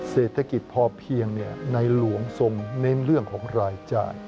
เศรษฐกิจพอเพียงในหลวงทรงเน้นเรื่องของรายจ่าย